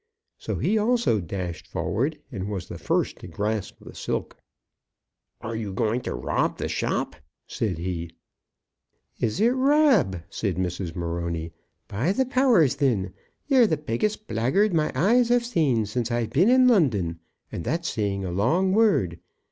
So he also dashed forward, and was the first to grasp the silk. "Are you going to rob the shop?" said he. "Is it rob?" said Mrs. Morony. "By the powers, thin, ye're the biggest blag guard my eyes have seen since I've been in London, and that's saying a long word.